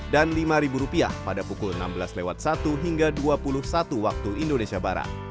dan rp lima pada pukul enam belas satu hingga dua puluh satu waktu indonesia barat